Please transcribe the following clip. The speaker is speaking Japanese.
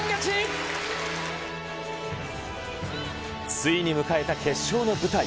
ついに迎えた決勝の舞台。